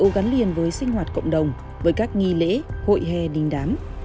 gắn liền với sinh hoạt cộng đồng với các nghi lễ hội hè đình đám